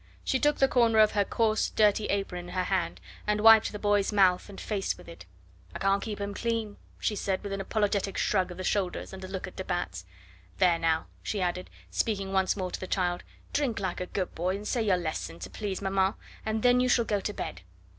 She took the corner of her coarse dirty apron in her hand, and wiped the boy's mouth and face with it. "I can't keep him clean," she said with an apologetic shrug of the shoulders and a look at de Batz. "There now," she added, speaking once more to the child, "drink like a good boy, and say your lesson to please maman, and then you shall go to bed."